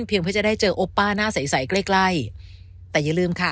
เพื่อจะได้เจอโอป้าหน้าใสใสใกล้ใกล้แต่อย่าลืมค่ะ